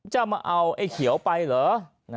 จะเอามาเอาไอ้เขียวไปเหรอ